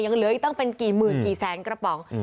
ยังเหลือต้องเป็นกี่หมื่นกี่แสนกระป๋อง